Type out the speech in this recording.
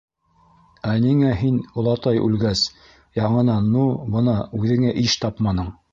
Ә ниңә һин, олатай үлгәс, яңынан... ну... бына... үҙеңә иш тапманың?